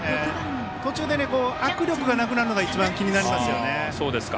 途中で握力がなくなるのが一番、気になりますね。